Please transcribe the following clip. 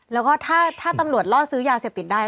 แล้วก็ถ้าตำรวจล่อซื้อยาเสพติดได้